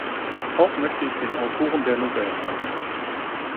Auch möchte ich den Autoren der Novellen danken.